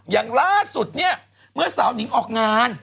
อย่างล่าสุดเนี่ยเมื่อสาวนิงออกงาน